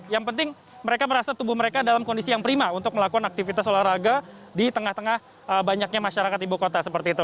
yang penting mereka merasa tubuh mereka dalam kondisi yang prima untuk melakukan aktivitas olahraga di tengah tengah banyaknya masyarakat ibu kota seperti itu